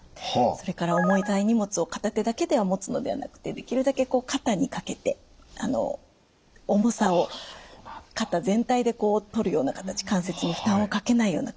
それから重たい荷物を片手だけで持つのではなくてできるだけこう肩にかけて重さを肩全体でとるような形関節に負担をかけないような形。